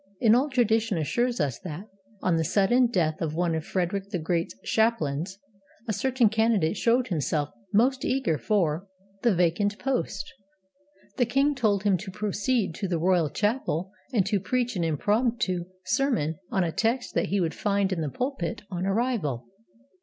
An old tradition assures us that, on the sudden death of one of Frederick the Great's chaplains, a certain candidate showed himself most eager for the vacant post. The king told him to proceed to the royal chapel and to preach an impromptu sermon on a text that he would find in the pulpit on arrival.